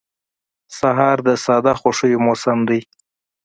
سهار د ساده خوښیو موسم دی.